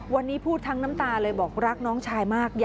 วันนี้พูดทั้งน้ำตาเลยบอกรักน้องชายมาก